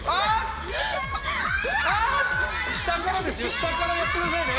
下からやってくださいね。